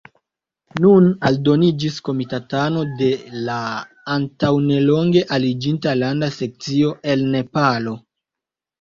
Nun aldoniĝis komitatano de la antaŭnelonge aliĝinta Landa Sekcio el Nepalo.